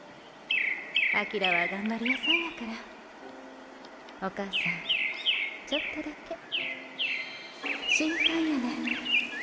翔はがんばり屋さんやからお母さんちょっとだけ心配やねん。